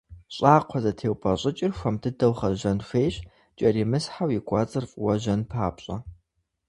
Щӏакхъуэзэтеупӏэщӏыкӏыр хуэм дыдэу гъэжьэн хуейщ, кӏэримысхьэу и кӏуэцӏыр фӏыуэ жьэн папщӏэ.